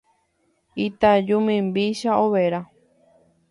Itaju mimbícha overa